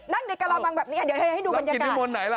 นั่งในกะลาบังแบบเนี้ยเดี๋ยวให้ดูบรรยากาศรักกินที่มนต์ไหนล่ะ